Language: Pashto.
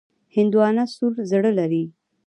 هندوانه سور زړه لري.